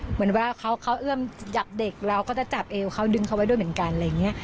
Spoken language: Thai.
เหมือนว่าเขาเอื้อมจับเด็กเราก็จะจับเอวเขาดึงเขาไว้ด้วยเหมือนกันอะไรอย่างนี้